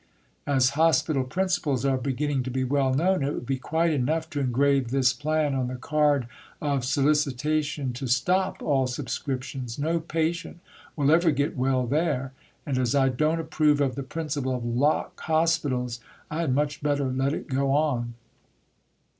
As Hospital principles are beginning to be well known, it would be quite enough to engrave this plan on the card of solicitation to stop all subscriptions. No patient will ever get well there. And as I don't approve of the principle of Lock Hospitals, I had much better let it go on."